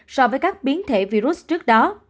so với các biến thể virus trước đó